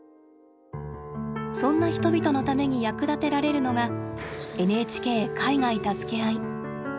そんな人々のために役立てられるのが「ＮＨＫ海外たすけあい」。